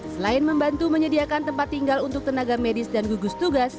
selain membantu menyediakan tempat tinggal untuk tenaga medis dan gugus tugas